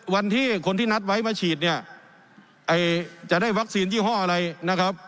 วันที่คนที่นัดไว้มาฉีดเนี่ยจะได้วัคซีนยี่ห้ออะไรนะครับ